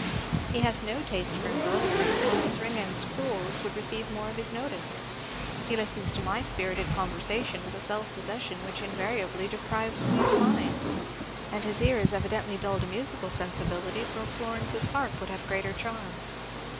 He has no taste for embroidery, or Miss Ringgan's crewels would receive more of his notice he listens to my spirited conversation with a self possession which invariably deprives me of mine! and his ear is evidently dull to musical sensibilities, or Florence's harp would have greater charms.